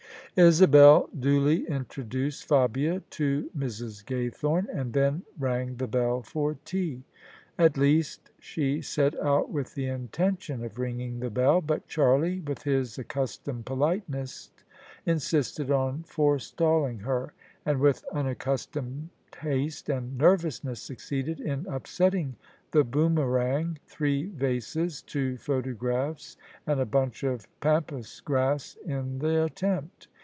Isabel duly introduced Fabia to Mrs. Gaythorne, and then rang the bell for tea. At least she set out with the inten tion of ringing the bell, but Charlie, with his accustomed politeness, insisted on forestalling her: and, with unaccus tomed haste and nervousness, succeeded in upsetting the boomerang, three vases, two photographs and a bunch of pampas grass in the attempt.